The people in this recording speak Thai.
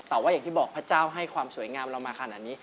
แต่ว่าอย่างที่บอกพระเจ้าให้ความสวยงามเรามาขนาดนี้